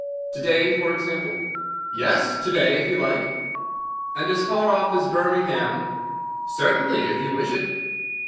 "To day, for example?" "Yes, to day, if you like." "And as far off as Birmingham?" "Certainly, if you wish it."